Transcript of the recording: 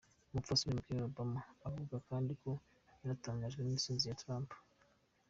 Umupfasoni Michelle Obama avuga kandi ko yanatangajwe n'intsinzi ya Trump.